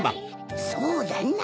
そうだな。